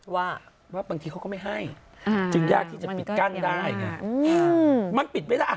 ว่าว่าบางทีเขาก็ไม่ให้จึงยากที่จะปิดกั้นได้ไงมันปิดไม่ได้อ่ะ